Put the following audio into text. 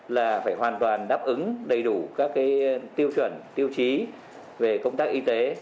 là phải hoàn toàn đáp ứng đầy đủ các tiêu chuẩn tiêu chí về công tác y tế